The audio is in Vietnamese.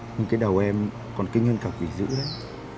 nhưng cái đầu em còn kinh hơn cả quỷ dữ đấy